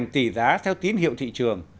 tỷ giá theo tín hiệu thị trường